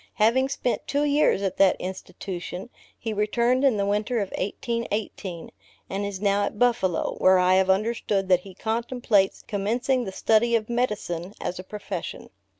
Having spent two years at that Institution, he returned in the winter of 1818, and is now at Buffalo; where I have understood that he contemplates commencing the study of medicine, as a profession.